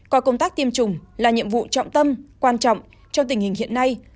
coi công tác tiêm chủng là nhiệm vụ trọng tâm quan trọng trong tình hình hiện nay